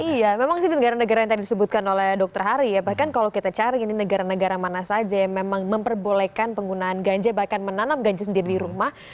iya memang sih di negara negara yang tadi disebutkan oleh dokter hari ya bahkan kalau kita cari ini negara negara mana saja yang memang memperbolehkan penggunaan ganja bahkan menanam ganja sendiri di rumah